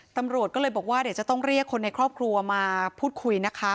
ตำรวจก็เลยบอกว่าเดี๋ยวจะต้องเรียกคนในครอบครัวมาพูดคุยนะคะ